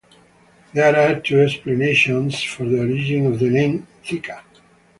There are two explanations for the origin of the name Thika.